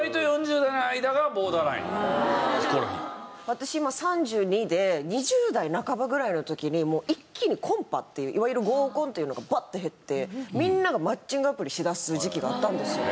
私今３２で２０代半ばぐらいの時に一気にコンパっていういわゆる合コンっていうのがバッて減ってみんながマッチングアプリしだす時期があったんですよ。